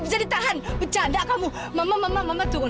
jadi tahan pecah enggak kamu mama mama mama turun